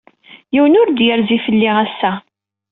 Yiwen ur d-yerzi fell-i ass-a.